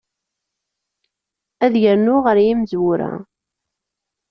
Ad yernu ɣer yimezwura.